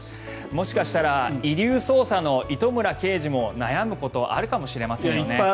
もしかしたら「遺留捜査」の糸村刑事も悩むことあるかもしれませんよね。